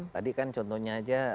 tadi kan contohnya saja